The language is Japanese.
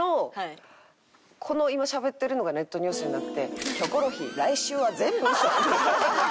この今しゃべってるのがネットニュースになって「『キョコロヒー』来週は全部ウソ！」。